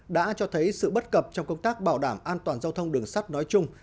đã cho thấy sự bất cập trong công tác bảo đảm an toàn giao thông đường sắt nói chung